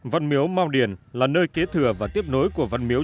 văn miếu mau điền là nơi kế thừa và tiếp nối của văn miếu